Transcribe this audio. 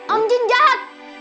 om jin jahat